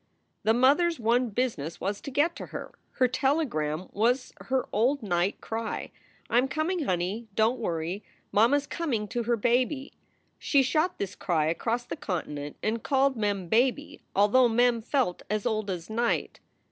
The mother s one business was to get to her. Her telegram was her old night cry: " I m coming, honey. Don t worry. Mamma s coming to her baby." She shot this cry across the continent and called Mem "baby," although Mem felt as old as night.